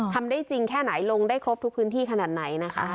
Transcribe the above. ทำได้จริงแค่ไหนลงได้ครบทุกพื้นที่ขนาดไหนนะคะ